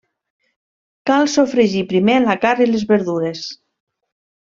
Cal sofregir primer la carn i les verdures.